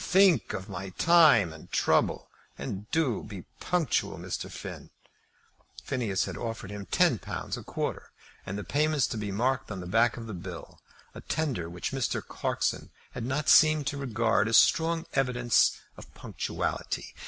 "Think of my time and trouble, and do be punctual, Mr. Finn." Phineas had offered him ten pounds a quarter, the payments to be marked on the back of the bill, a tender which Mr. Clarkson had not seemed to regard as strong evidence of punctuality.